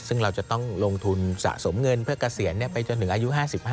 ซึ่งเราจะต้องลงทุนสะสมเงินเพื่อเกษียณไปจนถึงอายุ๕๕